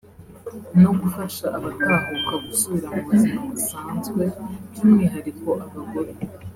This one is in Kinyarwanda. no gufasha abatahuka gusubira mu buzima busanzwe by’umwihariko abagore